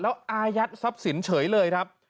แล้วอายัดทรัพย์สินเฉยเลยครับ